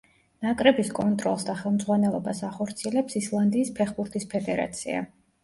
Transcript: ნაკრების კონტროლს და ხელმძღვანელობას ახორციელებს ისლანდიის ფეხბურთის ფედერაცია.